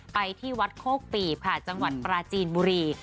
ไปที่วัดโคกปีบค่ะจังหวัดปราจีนบุรี